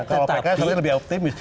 kalau pks lebih optimis